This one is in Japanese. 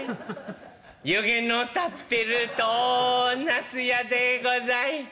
湯気の立ってるとなすやでござい。